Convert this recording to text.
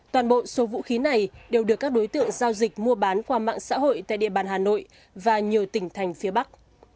toàn bộ số vũ khí này đều được các đối tượng giao dịch mua bán qua mạng xã hội tại địa bàn hà nội và nhiều tỉnh thành phía bắc